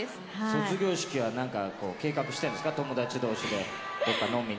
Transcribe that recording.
卒業式はなんか計画してんですか、友達同士で。